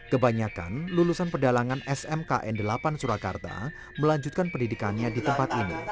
kebanyakan lulusan pedalangan smkn delapan surakarta melanjutkan pendidikannya di tempat ini